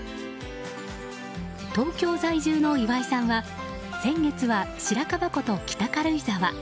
東京在住の岩井さんは先月は白樺湖と北軽井沢。